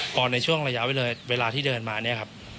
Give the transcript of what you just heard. ในช่วงระยะเวลาที่เดินมาเนี่ยครับ